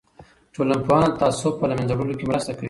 ټولنپوهنه د تعصب په له منځه وړلو کې مرسته کوي.